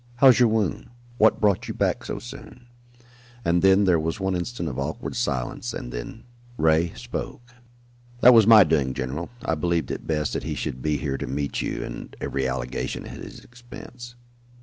How's your wound? What brought you back so soon?" And then there was one instant of awkward silence and then Ray spoke. "That was my doing, general. I believed it best that he should be here to meet you and every allegation at his expense.